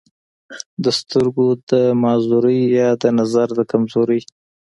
دَسترګو دَمعذورۍ يا دَنظر دَکمزورۍ